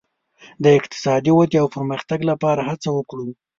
د اقتصادي ودې او پرمختګ لپاره هڅه وکړو.